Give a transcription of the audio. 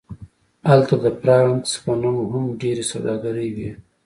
هلته د فرانکس په نوم هم ډیرې سوداګرۍ وې